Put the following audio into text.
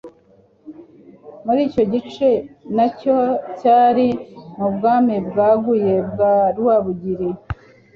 muri icyo gice nacyo cyari mu bwami bwaguye bwa Rwabugiri.